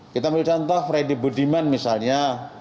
kita ambil contoh freddy budiman misalnya